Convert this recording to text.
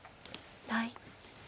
はい。